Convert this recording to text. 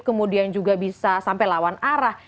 kemudian juga bisa sampai lawan arah